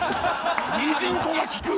ミジンコが聞く？